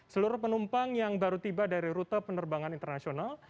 seluruh penumpang yang baru tiba dari rute penerbangan internasional